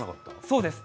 そうです。